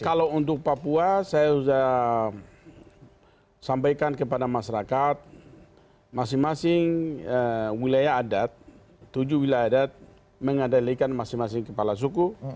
kalau untuk papua saya sudah sampaikan kepada masyarakat masing masing wilayah adat tujuh wilayah adat mengadalikan masing masing kepala suku